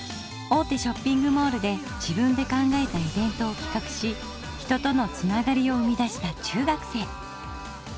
大手ショッピングモールで自分で考えたイベントをきかくし人との繋がりを生み出した中学生。